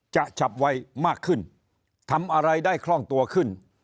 ฉับไวมากขึ้นทำอะไรได้คล่องตัวขึ้น